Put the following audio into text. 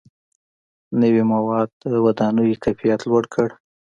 • نوي موادو د ودانیو کیفیت لوړ کړ.